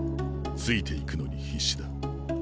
ついていくのに必死だ。